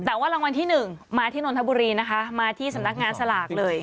แต่ว่ารางวัลที่๑มาที่นนทบุรีนะคะมาที่สำนักงานสลากเลย